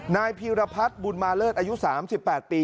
นายพีรพัฒน์บุญมาเลิศอายุ๓๘ปี